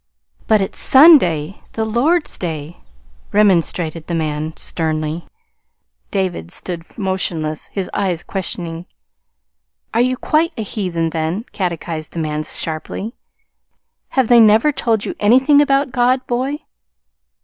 "But it's Sunday the Lord's Day," remonstrated the man sternly. David stood motionless, his eyes questioning. "Are you quite a heathen, then?" catechised the man sharply. "Have they never told you anything about God, boy?"